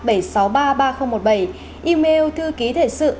email thư ký thể sự